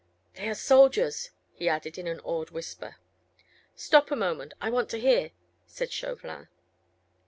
"They are soldiers," he added in an awed whisper. "Stop a moment, I want to hear," said Chauvelin.